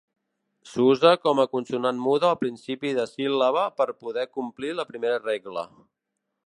S'usa com consonant muda al principi de síl·laba per poder complir la primera regla.